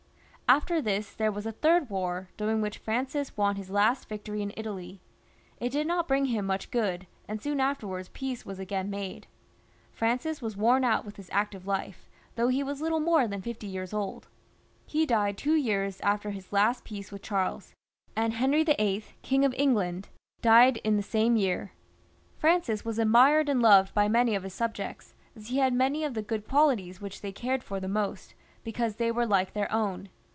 After this there was a third war, during which Francis won his last victory in Italy. It did not bring him much good, and soon afterwards peace was again made. Francis was worn out with his active life, though he was little more than fifty years old. He died two years after his last peace with Charles, and Henry VIII., King of England, died in the same year. Francis was admired and loved by many of his subjects, as he had many of the good qualities which they cared for the most, because they were like their own.